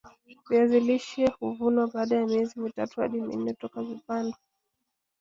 viazi lishe huvunwa baada ya miezi mitatu hadi minne toka vimepandwa